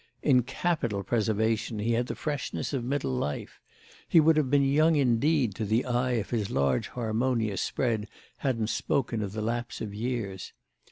In capital preservation he had the freshness of middle life—he would have been young indeed to the eye if his large harmonious spread hadn't spoken of the lapse of years.